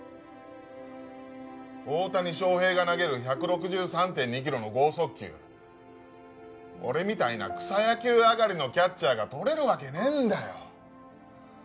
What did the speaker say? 大谷翔平が投げる１６３．２キロの剛速球俺みたいな草野球上がりのキャッチャーが捕れるわけねえんだよ。